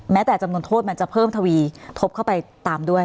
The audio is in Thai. แต่จำนวนโทษมันจะเพิ่มทวีทบเข้าไปตามด้วย